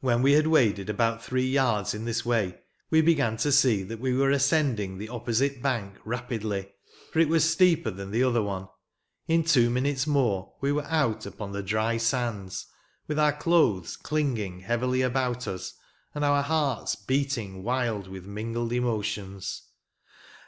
When we had waded about three yards in this way, we began to see that we were ascending the opposite bank rapidly, for it was steeper than the other one. In two minutes more we were out upon the dry sands, with our clothes clinging heavily about us, and our hearts beating wild with mingled emotions.